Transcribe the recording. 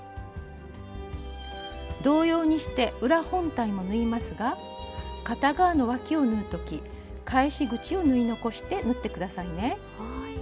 同様にして裏本体も縫いますが片側のわきを縫う時返し口を縫い残して縫って下さいね。